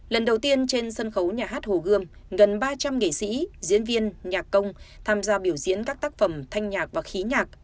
lần đầu tiên trên sân khấu nhà hát hồ gươm gần ba trăm linh nghệ sĩ diễn viên nhạc công tham gia biểu diễn các tác phẩm thanh nhạc và khí nhạc